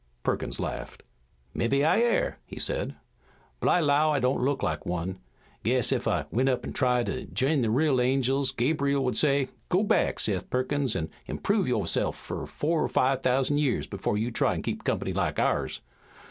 Perkins laughed. "Mebbe I air," he said, "but I 'low I don't look like one. Guess ef I went up an' tried to j'in the real angels Gabriel would say, 'Go back, Seth Perkins, an' improve yo'self fur four or five thousand years afore you try to keep comp'ny like ours.'